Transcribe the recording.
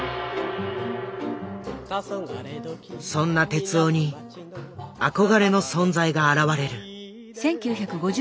そんな徹男に憧れの存在が現れる。